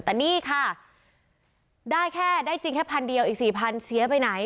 แต่นี่ค่ะได้แค่ได้จริงแค่พันเดียวอีก๔๐๐เสียไปไหน